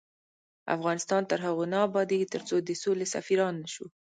افغانستان تر هغو نه ابادیږي، ترڅو د سولې سفیران نشو.